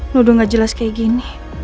lo udah gak jelas kayak gini